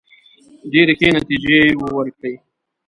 ډېري ښې نتیجې وورکړې.